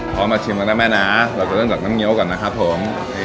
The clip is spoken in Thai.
พอมาชิมแล้วนะแม่น้าเราจะเลื่อนกับน้ำเงี้ยวกันนะครับผม